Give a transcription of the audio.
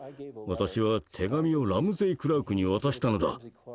「私は手紙をラムゼイ・クラークに渡したのだ。